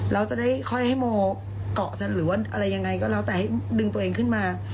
แล้วจะได้ค่อยให้โมเกาะกันหรือว่าอะไรยังไงก็แล้วแต่ให้ดึงตัวเองขึ้นมา